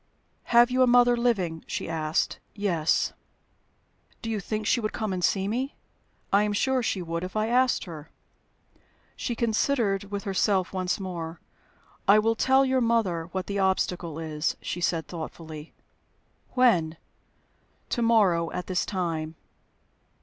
"Have you a mother living?" she asked. "Yes." "Do you think she would come and see me?" "I am sure she would if I asked her." She considered with herself once more. "I will tell your mother what the obstacle is," she said, thoughtfully. "When?" "To morrow, at this time."